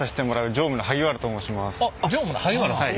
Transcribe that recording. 常務の萩原さん？